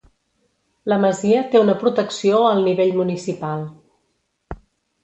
La masia té una protecció al nivell municipal.